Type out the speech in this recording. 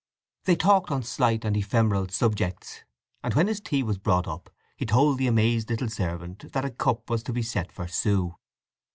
They talked on slight and ephemeral subjects, and when his tea was brought up he told the amazed little servant that a cup was to be set for Sue.